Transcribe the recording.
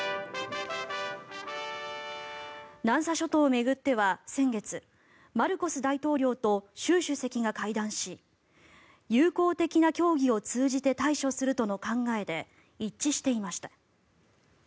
南沙諸島を巡っては先月マルコス大統領と習主席が会談し友好的な協議を通じて対処するとの考えで一致していました。